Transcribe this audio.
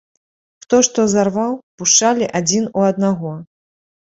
Хто што зарваў, пушчалі адзін у аднаго.